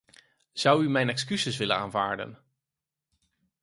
Zou u mijn excuses willen aanvaarden.